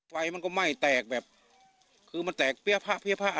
ไฟมันก็ไหม้แตกแบบคือมันแตกเปรี้ยวผ้าอะไรอย่างนั้น